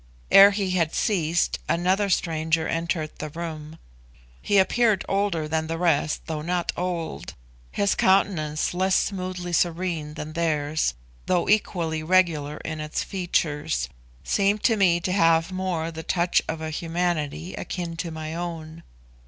Ere he had ceased another stranger entered the room. He appeared older than the rest, though not old; his countenance less smoothly serene than theirs, though equally regular in its features, seemed to me to have more the touch of a humanity akin to my own.